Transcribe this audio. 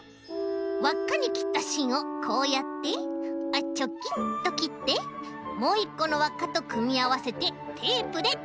わっかにきったしんをこうやってあっチョキンときってもういっこのわっかとくみあわせてテープでとめます。